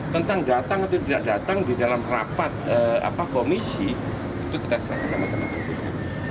tentang datang atau tidak datang di dalam rapat komisi itu kita serahkan sama teman teman